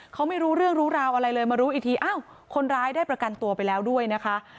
เขาไม่รู้เรื่องรู้ราวอะไรเลยมารู้อีกทีอ้าวคนร้ายได้ประกันตัวไปแล้วด้วยนะคะ